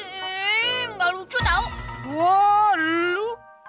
gak lucu tau